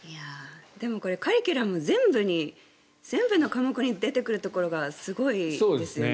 でもカリキュラム全部の科目に出てくるところがすごいですよね。